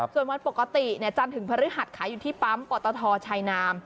ส่วนวันปกติจันทร์ถึงพฤหัสขายอยู่ที่ปั๊มปตทชัยนาม